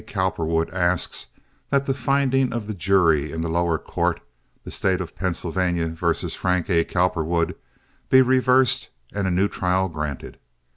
Cowperwood, asks that the finding of the jury in the lower court (the State of Pennsylvania vs. Frank A. Cowperwood) be reversed and a new trial granted.